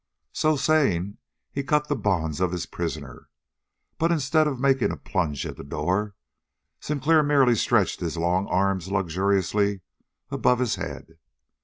So saying, he cut the bonds of his prisoner, but instead of making a plunge at the door, Sinclair merely stretched his long arms luxuriously above his head.